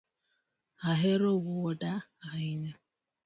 Ahero wuoda ahinya?